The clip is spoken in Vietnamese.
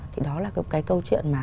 thì đó là cái câu chuyện mà